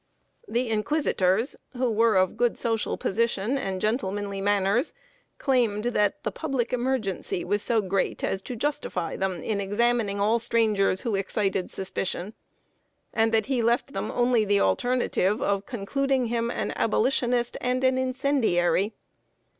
The inquisitors, who were of good social position and gentlemanly manners, claimed that the public emergency was so great as to justify them in examining all strangers who excited suspicion; and that he left them only the alternative of concluding him an Abolitionist and an incendiary.